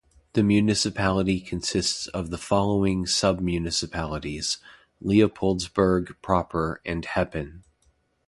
The municipality consists of the following sub-municipalities: Leopoldsburg proper and Heppen.